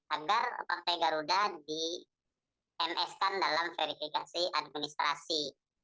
agar partai garuda di ms kan dalam verifikasi administrasi